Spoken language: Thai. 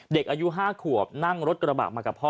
เด็กอายุ๕ขวบนั่งรถกระบะมากับพ่อ